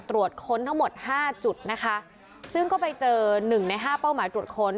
ตรวจค้นทั้งหมดห้าจุดนะคะซึ่งก็ไปเจอหนึ่งในห้าเป้าหมายตรวจค้น